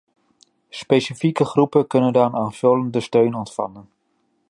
Specifieke groepen kunnen dan aanvullende steun ontvangen.